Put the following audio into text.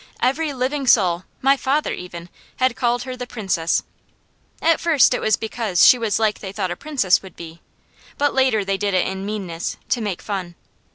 every living soul, my father even, had called her the Princess. At first it was because she was like they thought a Princess would be, but later they did it in meanness, to make fun.